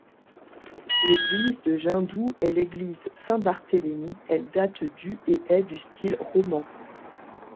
L'église de Gindou est l'église Saint-Barthélemy, elle date du et est du style roman.